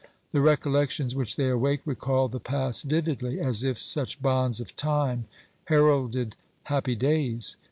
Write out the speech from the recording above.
The recollections which they awake recall the past vividly, as if such bonds of time heralded happy days.